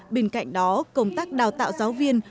bên cạnh đó công tác đào tạo giáo viên